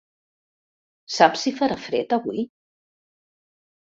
Saps si farà fred avui?